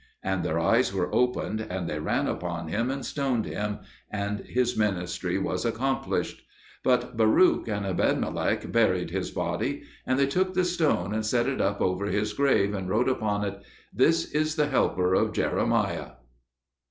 And their eyes were opened, and they ran upon him and stoned him; and his ministry was accomplished. But Baruch and Ebedmelech buried his body; and they took the stone and set it up over his grave, and wrote upon it, "This is the helper of Jeremiah."